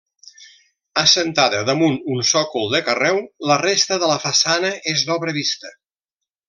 Assentada damunt un sòcol de carreu, la resta de la façana és d'obra vista.